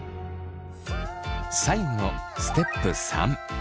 最後のステップ３。